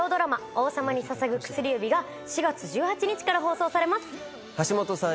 「王様に捧ぐ薬指」が４月１８日から放送されます橋本さん